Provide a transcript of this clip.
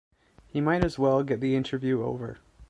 He might as well get the interview over.